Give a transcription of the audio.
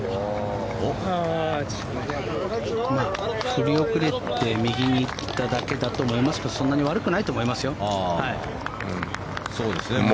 振り遅れて右に行っただけだと思いますけどそんなに悪くないと思いますよ。